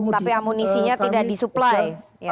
tapi amunisinya tidak disupply